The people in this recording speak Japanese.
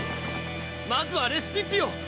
まずはレシピッピを！